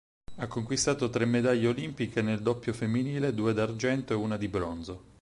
Ha conquistato tre medaglie olimpiche nel doppio femminile, due d'argento e una di bronzo.